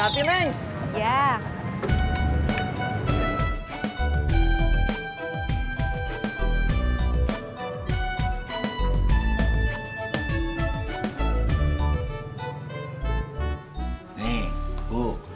masih k zeggenat